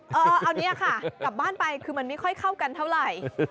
เอาเนี่ยค่ะกลับบ้านไปคือมันไม่ค่อยเข้ากันเท่าไหร่